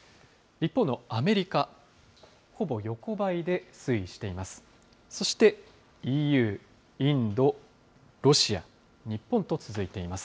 一方のアメリカ、ほぼ横ばいで推移しています。